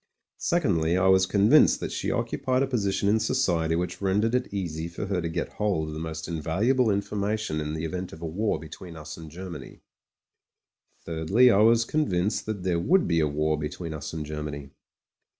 Secondly, I was convinced that she occupied a posi tion in society which rendered it easy for her to get hold of the most invaluable information in the event of a war between us and Germany. Thirdly, I was convinced that there would be a war between us and Germany.